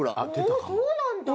そうなんだ。